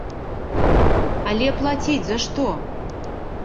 Але плаціць за што?